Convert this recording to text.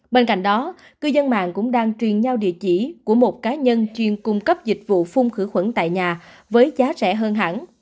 bên cạnh đó cư dân mạng cũng đang truyền nhau địa chỉ của một cá nhân chuyên cung cấp dịch vụ phun khử khuẩn tại nhà với giá rẻ hơn hẳn